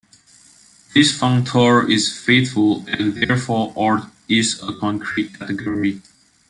This functor is faithful, and therefore Ord is a concrete category.